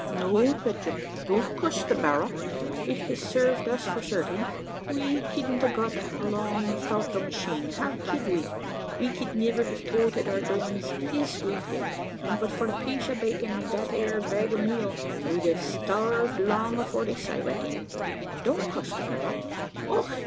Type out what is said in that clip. "No, Petrick, don't cuss the berra it hes served us for certing. We kedn't a got along 'thout the machine how ked we? We ked niver hev toted our doin's es we've did; an' but for the piece o' bacon an' thet eer bag o' meal, we'd a sterved long afore this, I recking. Don't cuss the berra." "Och!